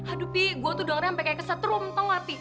aduh pi gue tuh dengerin sampai kayak kesetrum tau nggak pi